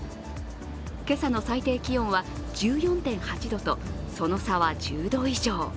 今朝の最低気温は１４．８度とその差は１０度以上。